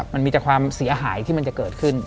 มันมีแต่ความเสียหายที่มันจะเกิดขึ้น